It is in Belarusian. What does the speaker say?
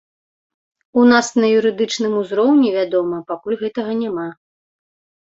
У нас на юрыдычным узроўні, вядома, пакуль гэтага няма.